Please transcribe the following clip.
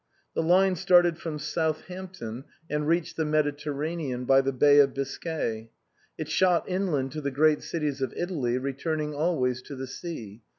The line started from Southampton and reached the Mediterranean by the Bay of Biscay ; it shot inland to the great cities of Italy, return ing always to the sea.